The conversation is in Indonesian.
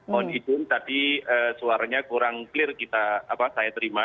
mohon izin tadi suaranya kurang clear saya terima